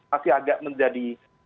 masih agak menjadi